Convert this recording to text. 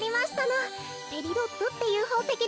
ペリドットっていうほうせきですのよ。